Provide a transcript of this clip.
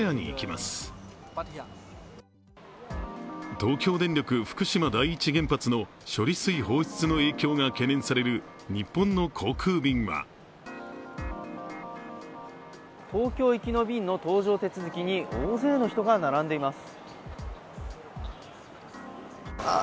東京電力福島第一原発の処理水放出の影響が懸念される日本の航空便は東京行きの便の搭乗手続きに大勢の人が並んでいます。